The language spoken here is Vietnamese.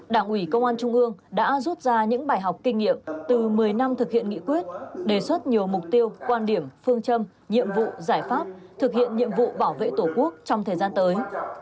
đảng ủy công an trung ương đã rút ra những bài học kinh nghiệm từ một mươi năm thực hiện nghị quyết đề xuất nhiều mục tiêu quan điểm phương châm nhiệm vụ giải pháp thực hiện nhiệm vụ bảo vệ tổ quốc trong thời gian tới